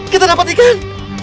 kita dapat ikan